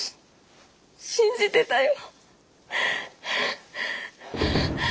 信じてたよ。